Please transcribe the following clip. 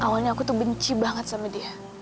tapi kita sama ini memang dealet